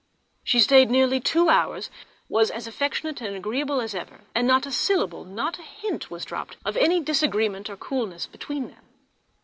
She stayed nearly two hours, was as affectionate and agreeable as ever, and not a syllable, not a hint was dropped, of any disagreement or coolness between them.